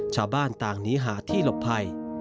ชาวบ้านต่างหนีหาที่หลบภัย